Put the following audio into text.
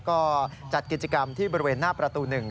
ก็จัดกิจกรรมที่บริเวณหน้าประตู๑